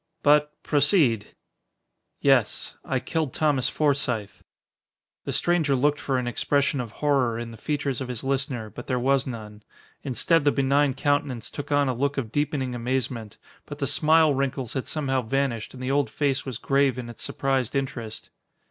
"But proceed." "Yes. I killed Thomas Forsythe." The stranger looked for an expression of horror in the features of his listener, but there was none. Instead the benign countenance took on a look of deepening amazement, but the smile wrinkles had somehow vanished and the old face was grave in its surprised interest.